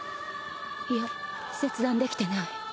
いや切断できてない。